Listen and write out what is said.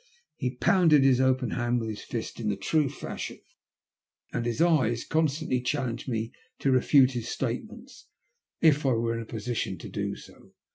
He pounded his open hand with his fist in the true fashion, and his eyes constantly challenged me to refute his statements if I were in a position to do so.